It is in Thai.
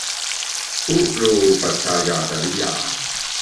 คุรูปัชฌายาจริยา